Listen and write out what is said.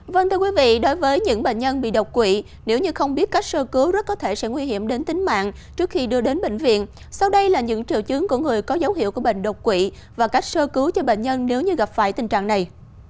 vâng thưa quý vị đối với những bệnh nhân bị độc quỵ nếu như không biết cách sơ cứu rất có thể sẽ nguy hiểm đến tính mạng trước khi đưa đến bệnh viện sau đây là những triệu chứng của người có dấu hiệu của bệnh đột quỵ và cách sơ cứu cho bệnh nhân nếu như gặp phải tình trạng này